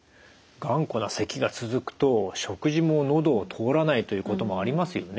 頑固なせきが続くと食事も喉を通らないということもありますよね？